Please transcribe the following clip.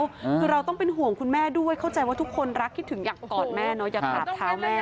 คือเราต้องเป็นห่วงคุณแม่ด้วยเข้าใจว่าทุกคนรักคิดถึงอยากกอดแม่เนอะ